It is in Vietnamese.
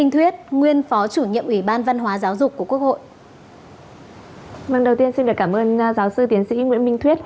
thì trước hết tôi nói về học sinh nhé